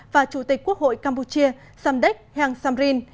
và chủ tịch quốc hội campuchia samdech heng samrin